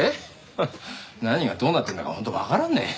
フッ何がどうなってんだか本当わからんね。